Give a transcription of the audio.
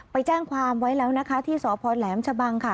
ไปแจ้งความไว้แล้วนะคะที่สพแหลมชะบังค่ะ